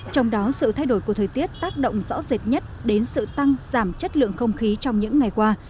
trong đó sự thay đổi của thời tiết tác động rõ rệt nhất đến sự tăng giảm chất lượng không khí trong những ngày qua